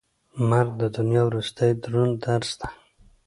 مرګ د دنیا وروستی دروند درس دی.